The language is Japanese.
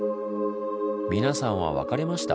皆さんはわかりました？